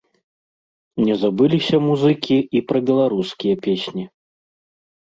Не забыліся музыкі і пра беларускія песні.